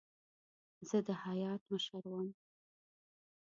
زه د هیات مشر وم.